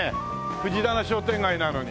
藤棚商店街なのに。